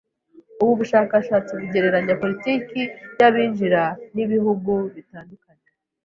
Ubu bushakashatsi bugereranya politiki y’abinjira n’ibihugu bitandukanye.